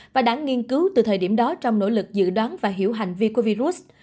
và đã nghiên cứu từ thời điểm đó trong nỗ lực dự đoán và hiểu hành vi của virus